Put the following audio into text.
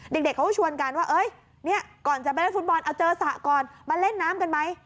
เด็กเขาก็ชวนกันว่าก่อนจะไปเล่นฟุตบอลเอาเจอสระก่อนมาเล่นน้ำกันไหม